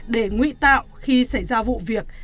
để nguy tạo khi xảy ra vụ việc